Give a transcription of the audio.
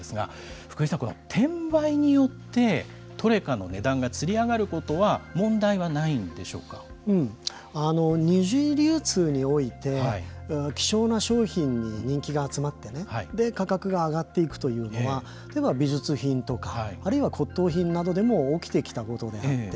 福井さん、転売によってトレカの値段がつり上がることは二次流通において希少な商品に人気が集まって価格が上がっていくというのは例えば美術品とかあるいは骨とう品などでも起きてきたことであって。